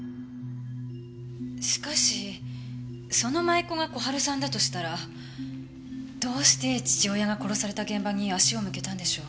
しかしその舞妓が小春さんだとしたらどうして父親が殺された現場に足を向けたんでしょう？